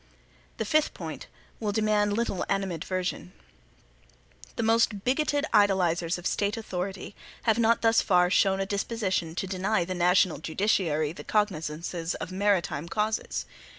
The fifth point will demand little animadversion. The most bigoted idolizers of State authority have not thus far shown a disposition to deny the national judiciary the cognizances of maritime causes.